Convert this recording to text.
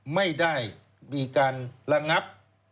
ไม่ได้มีการระงับ